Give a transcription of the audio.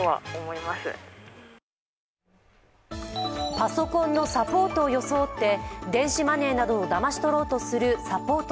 パソコンのサポートを装って電子マネーなどをだまし取ろうとするサポート